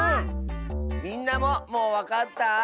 みんなももうわかった？